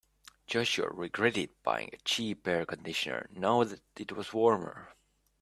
Joshua regretted buying a cheap air conditioner now that it was warmer.